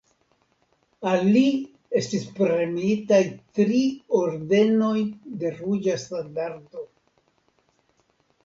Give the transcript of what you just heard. Al li estis premiitaj tri Ordenoj de Ruĝa Standardo.